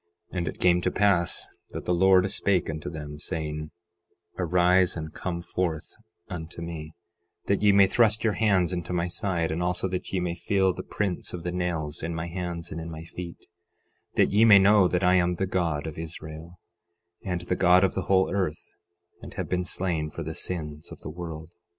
11:13 And it came to pass that the Lord spake unto them saying: 11:14 Arise and come forth unto me, that ye may thrust your hands into my side, and also that ye may feel the prints of the nails in my hands and in my feet, that ye may know that I am the God of Israel, and the God of the whole earth, and have been slain for the sins of the world.